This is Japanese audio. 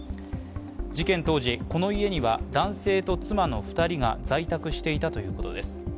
事件当時、この家には男性と妻の２人が在宅していたということです。